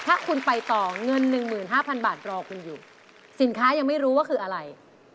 ถ้าคุณไปต่อเงิน๑๕๐๐บาทรอคุณอยู่สินค้ายังไม่รู้ว่าคืออะไร